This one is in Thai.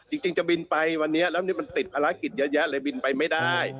จริงจะบินไปวันนี้แล้วนี่มันติดภารกิจเยอะแยะเลยบินไปไม่ได้